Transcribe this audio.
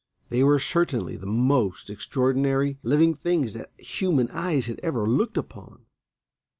They were certainly the most extraordinary living things that human eyes had ever looked upon.